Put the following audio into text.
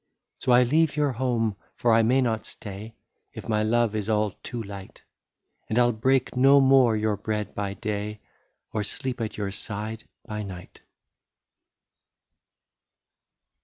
" So I leave your home, — for I may not stay. If my love is all too light — And I '11 break no more your bread by day, Or sleep at your side by night.